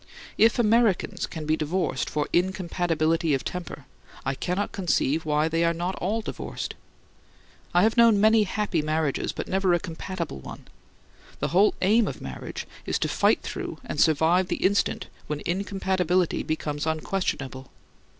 If Americans can be divorced for "incompatibility of temper" I cannot conceive why they are not all divorced. I have known many happy marriages, but never a compatible one. The whole aim of marriage is to fight through and survive the instant when incompatibility becomes unquestionable.